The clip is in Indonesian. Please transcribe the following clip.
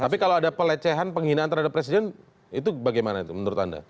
tapi kalau ada pelecehan penghinaan terhadap presiden itu bagaimana itu menurut anda